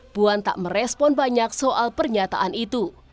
puan tak merespon banyak soal pernyataan itu